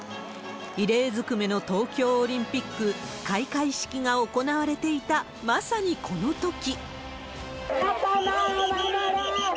異例ずくめの東京オリンピック、開会式が行われていた、まさにこのとき。